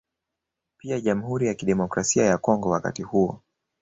Pia Jamhuri ya Kidemokrasia ya Kongo wakati huo